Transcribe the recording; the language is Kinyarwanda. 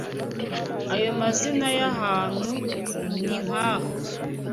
Ayo mazina y’ahantu ni nk’aha :